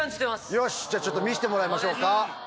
よし、じゃあちょっと見せてもらいましょうか。